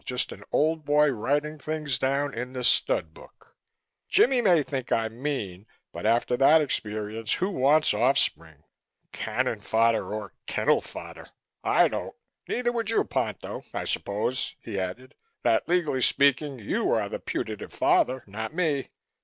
Just an old boy writing things down in the stud book. Jimmie may think I'm mean but after that experience who wants off spring, cannon fodder or kennel fodder? I don't. Neither would you, Ponto. I suppose," he added, "that legally speaking you are the putative father, not me.